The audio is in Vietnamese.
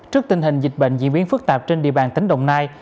trước tình hình dịch bệnh diễn biến phức tạp trên địa bàn tỉnh đồng nai